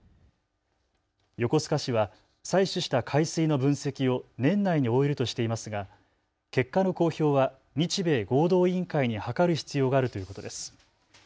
横須賀市は採取した海水の分析を年内に終えるとしていますが結果の公表は日米合同委員会にはかる必要があるということです。